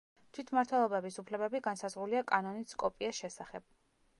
თვითმმართველობების უფლებები განსაზღვრულია კანონით სკოპიეს შესახებ.